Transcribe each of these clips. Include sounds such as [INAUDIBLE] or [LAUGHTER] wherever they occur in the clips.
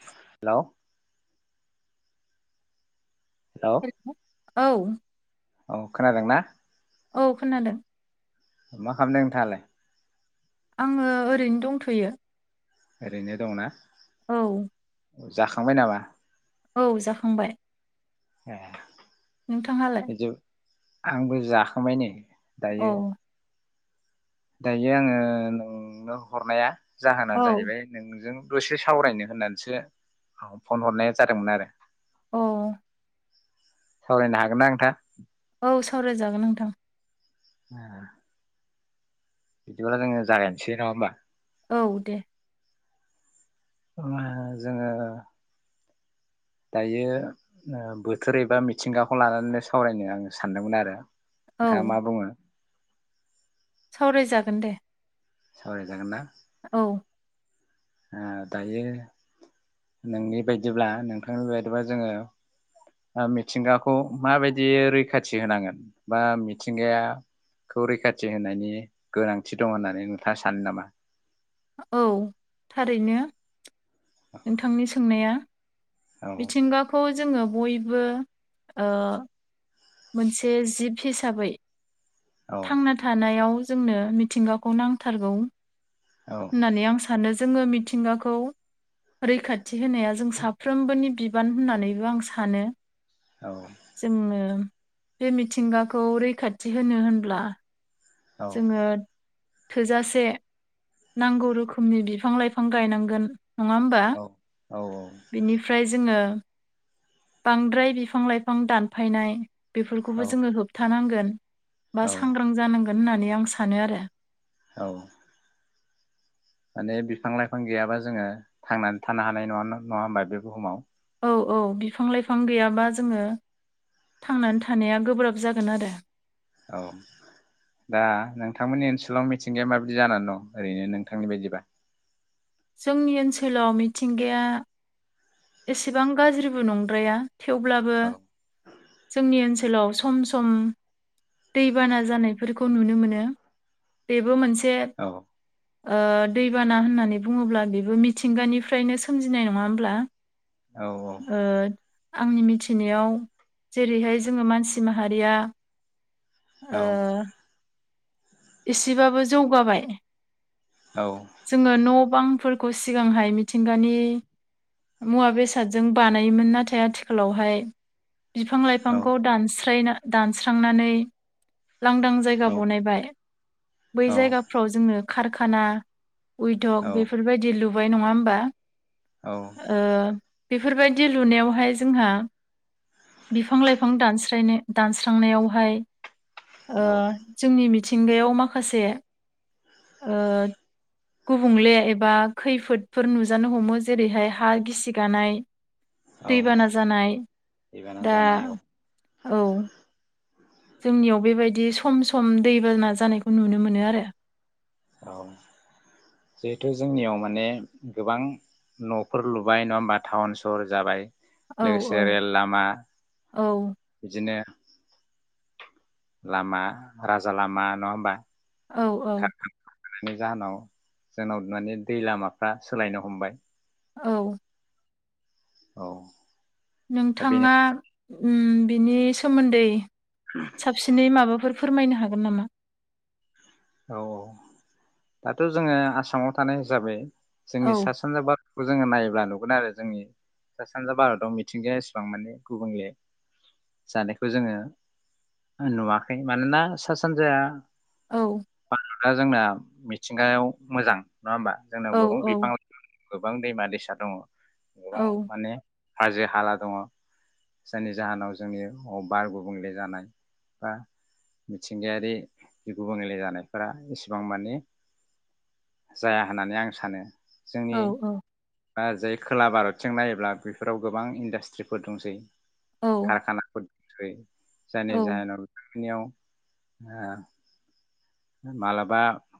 Hello hello [UNINTELLIGIBLE] औ औ खोनादोंना औ खोनादों मा खालामदों नोंथांङालाय आंङो ओरैनो दंथयो ओरैनो दंना औ जाखांबाय नामा? औ जाखांबाय ए नोंथांङालाय बिदि आंबो जाखांबाय नै औ दायो दायो आङो नोंनो हरनाया जाहोना औ जाहैबाय नोंजों दसे सावरायनो होननानैसो फन हरनाय जादोंमोन आरो अ सावरायनो हागोनना नोंथां औ सावरायजागोन नोंथां ए बिदिब्ला जोङो जागायनोसै नङा होमबा औ दे ओमो जोङो दायो ओ बोथोर एबा मिथिंगाखौ लानानैनो सावरायनो आङो सानदोंमोन आरो औ दा मा बुङो सावरायजागोन दे सावराय जागोनना औ ओ दायो नोंनि बायदिब्ला नोंथांनि बायदिब्ला जोङो ओ मिथिंगाखौ माबायदि रैखाथि होनांगोन बा मिथिंगाया खौ रैखाथि होनायनि गोनांथि दं होननानै नोंथाङा सानो नामा? औ थारैनो नोंथांनि सोंनाया औ मिथिंगाखौ जोङो बयबो ओ मोनसे जिब हिसाबै औ थांना थानायाव जोंनो मिथिंगाखौ नांथारगौ औ होननानै आं सानो जोङो मिथिंगाखौ रैखाथि होनाया जों साफ्रोमबोनि बिबान होननानैबो आं सानो औ जोङो बे मिथिंगाखौ रैखाथि होनो होनब्ला औ जोङो थोजासे नांगौ रोखोमनि बिफां लाइफां गायनांगोन। नङा होमबा बिनिफ्राय जोङो बांद्राय बिफां लाइफां दानफायनाय औ बेफोरखौबो जोङो होबथानांगोन। गोन। बा औ सांग्रां जानां गोन होननानै आं सानो आरो। औ बे बिफां लाइफां गैयाबा जोङो थांनानै थानो हानाय नङा नङा होनबा बे बुहुमाव? औ औ बिफां लाइफां गैयाबा जोङो थांनानै थानाया गोब्राब जागोन आरो। औ दा नोंथांमोननि ओनसोलाव मिथिंगाया माबादि जानानै दं ओरैनो नोंथांनि बायदिबा? जोंनि ओनसोलाव मिथिंगाया एसेबां गाज्रिबो नंद्राया। थेवब्लाबो औ जोंनि ओनसोल ओनसोलाव सम सम दैबाना जानायफोरखौ नुनो मोनो बेबो मोनसे से औ ओ दैबाना होननानै बुङोब्ला बेबो मिथिंगानिफ्रायनो सोमजिनाय नङा होमब्ला? औ औ ओ आंनि मिथिनायाव जेरैहाय जोङो मानसि माहारिया ओ औ एसेबाबो जौगाबाय। औ जोङो न बांफोरखौ सिगांहाय मिथिंगानि मुवा बेसादजों बानायोमोन। नाथाय आथिखालावहाय बिफां लाइफांखौ औ दानस्रायना दानस्रांनानै लांदां जायगा बनायबाय। बै औ जायगाफ्राव जोङो खारखाना औ उइदक बेफोर बायदि लु बाय नङा होमबा? औ ओ बेफोरबायदि लुनायावहाय जोंहा बिफां लाइफां दानस्रायनो दानस्रांनायावहाय ओ औ जोंनि मि थिंगायाव माखासे ओ गुबुंले एबा खैफोदफोर नुजानो हमो जेरैहाय हा गिसिगानाय औ दैबाना जानाय दैबाना दा जानायाव औ जोंनियाव बेबायदि सम सम दैबाना जानायखौ नुनो मोनो आरो औ जिहेथु जोंनियाव माने गोबां न'फोर लुबाय नङा होमबा टाउन सहर जाबाय औ औ लोगोसे रेल लामा औ बिदिनो लामा राजा लामा नङा होमबा औ औ बानायनायनि जाहोनाव जोंनाव माने दै लामाफ्रा सोलायनो हमबाय औ औ दा बेनो नोंथाङा उम बिनि सोमोन्दै साबसिनै माबाफोर फोरमायनो हागोन नामा औ औ दाथ' जोङो आसामाव थानाय हिसाबै जोंनि सा औ सानजा भारत खौ जोङो नायोब्ला नुगोन आरो जोंनि सा सानजा भारताव मिथिंगाया एसेबां माने गुबुंले जानायखौ जोङो नुवाखै मानोना सा सानजाया औ दा जोंना मिथिंगायाव मोजां नङा होमबा जोंनाव औ गोबां बिफां औ लाइफां गोबां दैमा दैसा दङ औ गोबां माने हाद्रि हाला दङ जायनि जाहोनाव जोंनि बार गुबुंले जानाय बा मिथिंगायारि गुबुंले जानायफोरा एसेबां माने जाया होननानै आं सानो जोंनि औ औ बा जाय खोला भारतथिं नायोब्ला बेफोराव गोबां इन्डास्ट्रिफोर दंसै औ खारखानाफोर दैै जायनि जाहोनाव बेनियाव ओ माब्लाबा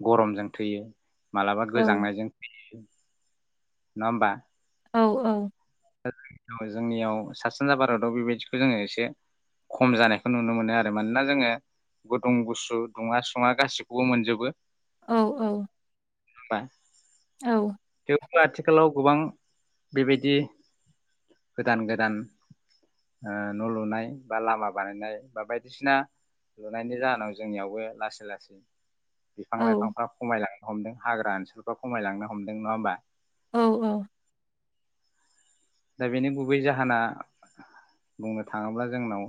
गरमजों थैयो मालाबा औ गोजांनायजों थैयो नङा होनबा औ औ दा जों जोंनियाव सा सानजा भारताव बेबायदिखौ जोङो एसे खम जानायखौ नुनो मोनो आरो मानोना जोङो गुदुं गुसु दुङा सुङा गाैखौबो मोनजोबो औ औ [UNINTELLIGIBLE] औ आथिखालाव गोबां बेबायदि गोदान गोदान न' ओ लुनाय बा लामा बानायनाय बा बायदिसिना लुनायनि जाहोनाव जोंनियावबो लासै लासै बिफां लाइफांफ्रा खमायलांनो हमदों हाग्रा ओनसोलफ्रा खमायलांनो हमदों नङा होमबा औ औ दा बेनि गुबै जाहोना बुंनो थाङोब्ला जोंनाव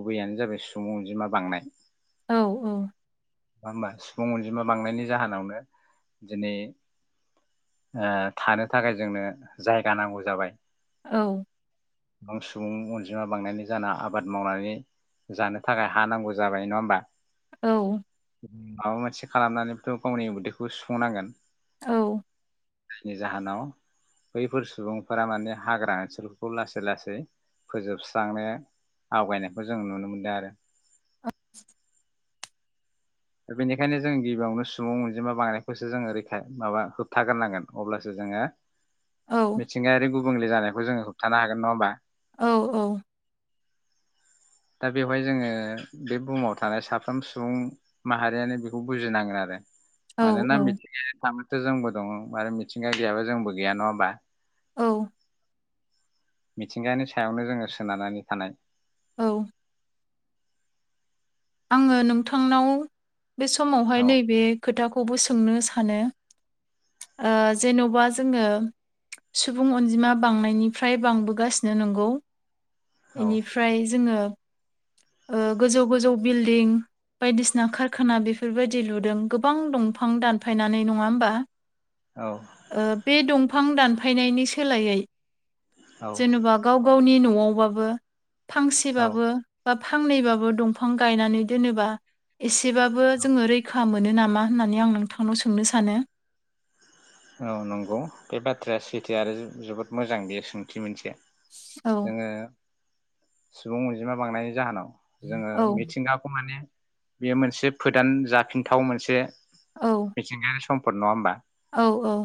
गुबैयानो जाबाय सुबुं अनजिमा बांनाय औ औ नङा होमबा सुबुं अनजिमा बांनायनि जाहोनावनो दिनै ओ थानो थाखाय जोंनो जायगा नांगौ जाबाय औ गोबां सुबुं अनजिमा बांनानै जाना आबाद मावनानै जानो थाखाय हा नांगौ जाबाय नङा होमबा औ माबा मोनसे खालामनानैथ' गावनि उदैखौ सुफुंनांगोन औ नि जाहोनाव बैफोर सुबुंफोरा माने हाग्रा ओनसोलफोरखौ लासै लासै फोजोबस्रांनो आवगायनायखौ जों नुनो मोनदों आरो औ दा बेनिखायनो जों गिबियावनो सुबुं अनजिमा बांनायखौसो जोङो रैखा माबा होबथाग्रनांगोन अब्लासो जोङो मिथिंगायारि गुबुंले जानाय जोङो होबथानो हागोन नङ होनबा औ औ दा बेवहाय जोङो बे बुहुमाव थानाय साफ्रोम सुबुं माहारियानो बेखौ बुजिनांगोन आरो मानोना मिथिंगायाव थ' जोंबो दङ आरो मिथिंगा गैयाबो जोंबो गैया नङा होमबा औ मिथिंगानि सायावनो जोङो सोनारनानै थानाय औ आङो नोंथांनाव बे समावहाय औ नैबे खोथाखौ खौबो सोंनो सानो ओ जेन'बा जोङो सुबुं अनजिमा बांनायनिफ्राय बांबोगासिनो नंगौ औ बेनिफ्राय जोङो ओ गोजौ गोजौ बिल्डिं बायदिसिना कारखाना बेफोरबायदि लुदों गोबां दंफां दानफायनानै नङा होमबा औ ओ बे दं फां दानफायनायनि सोलायै औ जेनेबा गाव गावनि न'आव वाबो औ फांसेबाबो बा फांनैबाबो दंफ फां गायनानै दोनोबा एस सेबाबो जोङो रैखा मो मोनो नामा होननानै आं नोंथांनाव सोंनो सानो औ नंगौ बे बाथ्राया सैथो आरो जो जोबोद मोजां बेयो सोंथि मोनसे औ जोङो सुबुं अ जिमा बांनायनि जाहोनाव जोङो औ मिथिंगाखौ माने बेयो मोनसे फोदान जाफिनथाव मोनसे औ मिथिंगानि सम फोर नङा होनबा औ औ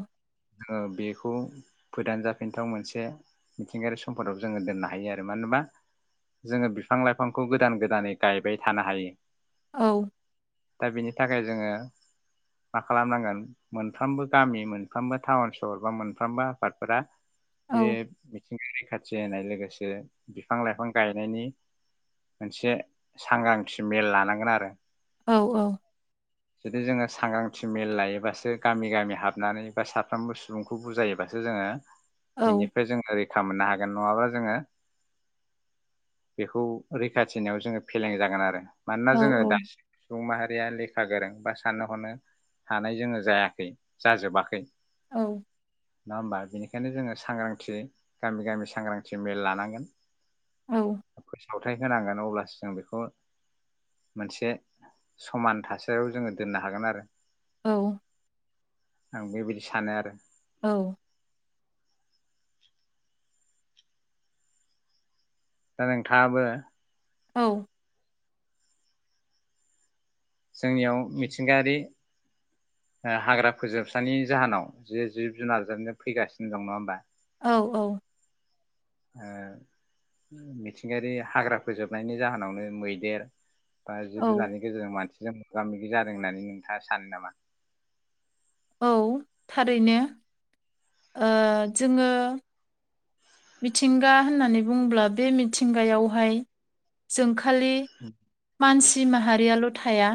जोङो बेखौ फोदान जाफिनथाव मोनसे मिथिंगायारि सम्पदाव जोङो दोननो हायो आरो मानो होनबा जोङो बिफां लाइफांखौ गोदान गोदानै गायबाय थानो हायो औ दा बेनि थाखाय जोङो मा खालामनांगोन मोनफ्रोमबो गामि मोनफ्रोमबो टाउन सहर बा मोनफ्रोमबो आफादफोरा बे औ [UNINTELLIGIBLE] रैखाथि होनाय लोगोसे बिफां लाइफां गायनायनि मोनसे सांग्रांथि मेल लानांगोन आरो औ औ जुदि जोङो सांग्रांथि मेल लायोबासो गामि गामि हाब थुनानै बा साफ्रोमबो सुबुंखौ बुजायोबासो जोङो बेनिफ्राय जों ओरै खा मोननो हागोन नङाब्ला जोङो बेखौ रैखाथि होनायाव जोङो फेलें जागोन आरो मानोना औ जोङो दासो सुबुं माहारिया लेखा गोरों बा साननो हनो हानाय जोङो जायाखै जाजोबाखै औ नङा होमबा बेनिखायनो जोङो सांग्रांथि गामि गामि सांग्रांथि मेल लानांगोन औ सावथाय होनांगोन अब्लासो जों बेखौ मोनसे समान थासारियाव जोङो दोननो हागोन आरो औ आं बेबायदि सानो आरो औ दा नोंथाङाबो औ जोंनियाव मिथिंगायारि ओ हाग्रा फोजोबस्रांनि जाहोनाव जे जिब जुनार जोबनो फैगासिनो दं नङा होमबा औ औ ओ मिथिंगायारि हाग्रा फोजोबनायनि जाहोनावनो मैदेर बा जिब औ जुनारनि गेजेरजों मानसि जों मोगा मोगि जादों होननानै नोंथाङा सानो नामा औ थारैनो ओ जोङो मिथिंगा होननानै बुङोब्ला बे मिथिंगायावहाय जोंख खालि मानसि माहा हारियाल' थाया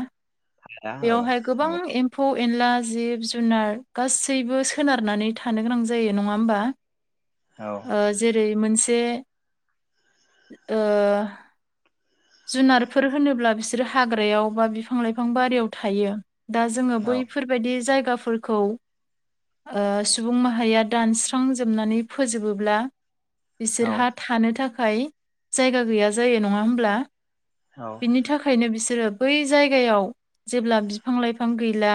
दा औ बेयावहाय गोबां नंगौ एम्फौ एनला जिब जुनार गासैबो सोनारनानै थानो गोनां जायो नङा होमबा औ ओ जेरै मोनसे ओ जुनारफोर होनोब्ला बिसोरो हाग्रायाव बा बिफां लाइफां बारियाव थायो। दा जोङो औ बैफोरबायदि जाय गाफोरखौ ओ सुबुं माहारिया दानस्रांजोबनानै फोजोबो ब्ला बिसोरहा थानो थाख खाय जायगा गैया जायो नङा होमब्ला? औ बिनि थाखायनो बिसोरो बै जायगायाव जेब्ला बिफां लाइफां गैला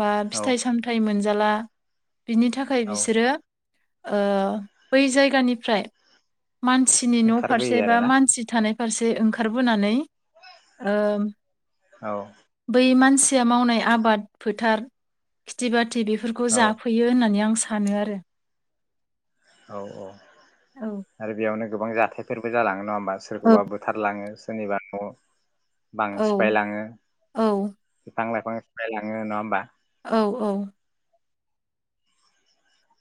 बा औ फिथाइ सामथाइ मोन जाला बिनि थाखाय औ बिसोरो ओ बै जायगानिफ्राय मानसिनि न' ओंखारबोयो फारसे बा आरोना मानसि थानाय फारसे ओंखारबोनानै ओ औ बै मान सिया मावनाय आबाद फोथार खिथि बाथ थि बेफोरखौ जाफैयो होननानै आं सानो आरो औ औ औ आरो बेयावनो गोबां जाथायफोरबो जालाङो न होम बा सोरखौबा बोथारलाङो सोरनिबा न बां औ सिफायलाङो औ बिफां लाइां सिफायलाङो नङा होनबा? औ औ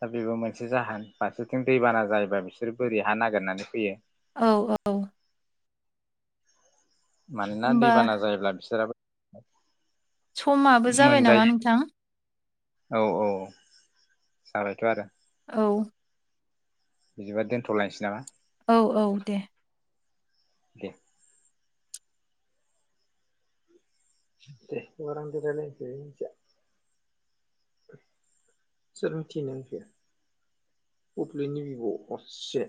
दा बेबो मोनसे जाहोन फारसेथिं दैबाना जायोबा बिसोरो बोरि हा नागिरनानै फैयो। औ औ मानोना होमबा दैबाना जायोब्ला बिसोराबो [INAUDIBLE] समाबो जाबाय नामा मोनजायो नोंथां? औ औ जाबायथ' आरो। औ बिदिबा दोनथ'लायनसै नामा? औ औ दे। दे [UNINTELLIGIBLE] रायलायनोसै मिथिया सोर मिथिनो मिथिया बुबलिनि बिब' असे